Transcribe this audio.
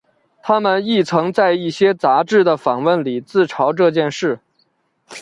他们亦曾在一些杂志的访问里自嘲这件事。